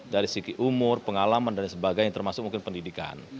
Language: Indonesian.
dari segi umur pengalaman dan sebagainya termasuk mungkin pendidikan